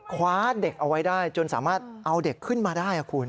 คว้าเด็กเอาไว้ได้จนสามารถเอาเด็กขึ้นมาได้คุณ